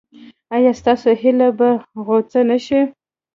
ایا ستاسو هیله به غوڅه نشي؟